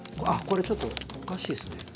あっこれちょっとおかしいですね。